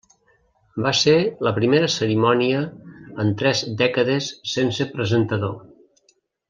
Va ser la primera cerimònia en tres dècades sense presentador.